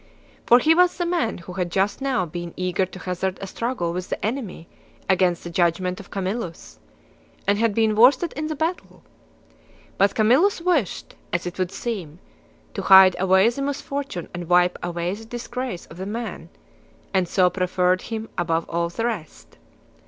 For he was the man who had' just now been eager to hazard a struggle with the enemy against the judg ment of Camillus, and had been worsted in the battle. But Camillus wished; as it would seem, to hide away the misfortune and wipe away the disgrace of the man, and so preferred him above all the rest.